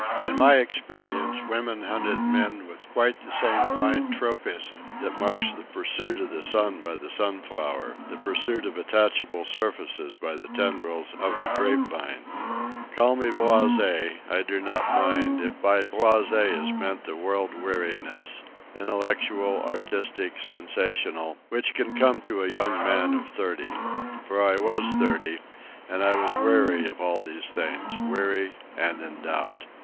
In my experience women hunted men with quite the same blind tropism that marks the pursuit of the sun by the sunflower, the pursuit of attachable surfaces by the tendrils of the grapevine. Call me blasé—I do not mind, if by blasé is meant the world weariness, intellectual, artistic, sensational, which can come to a young man of thirty. For I was thirty, and I was weary of all these things—weary and in doubt.